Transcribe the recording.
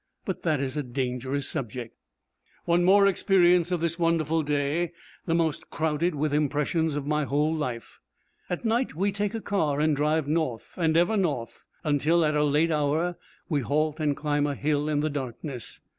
But that is a dangerous subject. One more experience of this wonderful day the most crowded with impressions of my whole life. At night we take a car and drive north, and ever north, until at a late hour we halt and climb a hill in the darkness.